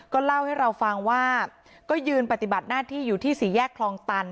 เล่าให้เราฟังว่าก็ยืนปฏิบัติหน้าที่อยู่ที่สี่แยกคลองตัน